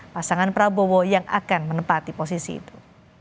pasangan prabowo yang akan menempati posisi itu